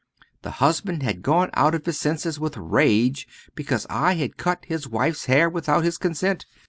The husband had gone out of his senses with rage because I had cut his wife's hair without his consent.